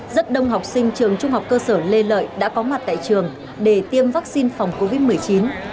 rất đông học sinh trường trung học cơ sở lê lợi đã có mặt tại trường để tiêm vaccine phòng covid một mươi chín